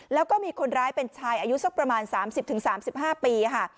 แล้วก็มีคนร้ายเป็นชายอายุสักประมาณ๓๐๓๕ปีค่ะ